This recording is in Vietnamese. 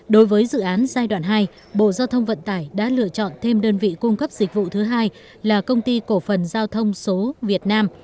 đối với dự án giai đoạn hai bộ giao thông vận tải đã lựa chọn thêm đơn vị cung cấp dịch vụ thứ hai là công ty cổ phần giao thông số việt nam